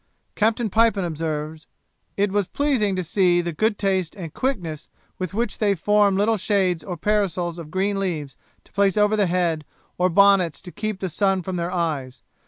Captain Pipon observes, 'it was pleasing to see the good taste and quickness with which they form little shades or parasols of green leaves, to place over the head, or bonnets, to keep the sun from their eyes.